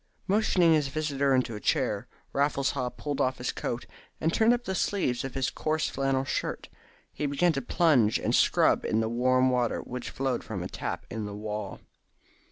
Motioning his visitor into a chair, Raffles Haw pulled off his coat, and, turning up the sleeves of his coarse flannel shirt, he began to plunge and scrub in the warm water which flowed from a tap in the wall.